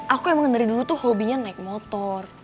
aku emang dari dulu tuh hobinya naik motor